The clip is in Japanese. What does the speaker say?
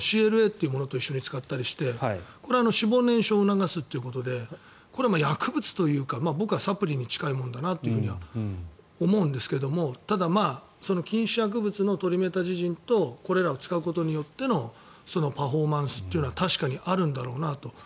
ＣＬＡというものと一緒に使ったりしてこれは脂肪燃焼を促すということでこれ、薬物というかサプリに近いものだと思うんですがただ禁止薬物のトリメタジジンとこれらを使うことによってのパフォーマンスは確かにあるんだろうなと。